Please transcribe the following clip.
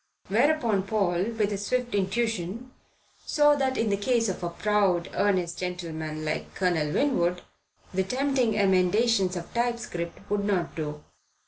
Whereupon Paul, with his swift intuition, saw that in the case of a proud, earnest gentleman like Colonel Winwood the tempting emendations of typescript would not do.